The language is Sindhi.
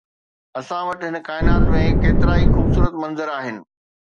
اسان وٽ هن ڪائنات ۾ ڪيترائي خوبصورت منظر آهن